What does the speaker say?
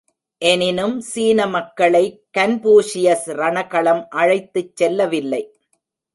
எனினும் சீன மக்களை கன்பூஷியஸ் ரணகளம் அழைத்துச் செல்லவில்லை.